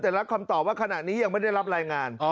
แต่รับคำตอบว่าขณะนี้ยังไม่ได้รับรายงาน